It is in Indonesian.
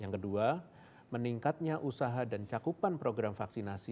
yang kedua meningkatnya usaha dan cakupan program vaksinasi